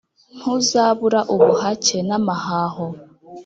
Ntuzabura ubuhake n' amahaho,